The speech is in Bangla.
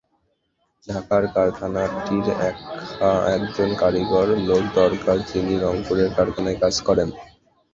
ঢাকার কারখানাটির একজন কারিগরি লোক দরকার, যিনি রংপুরের কারখানায় কাজ করেন।